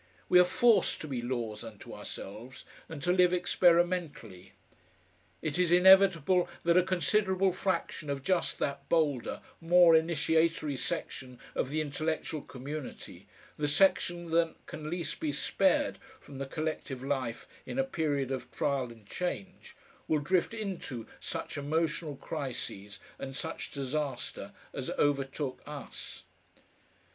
We are FORCED to be laws unto ourselves and to live experimentally. It is inevitable that a considerable fraction of just that bolder, more initiatory section of the intellectual community, the section that can least be spared from the collective life in a period of trial and change, will drift into such emotional crises and such disaster as overtook us.